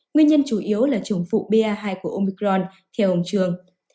nguyên nhân chủ yếu là trùng phụ pa hai của omicron theo ông trường